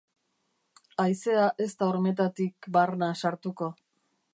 Haizea ez da hormetatik bama sartuko.